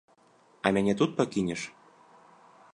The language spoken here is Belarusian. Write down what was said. А мяне тут пакінеш?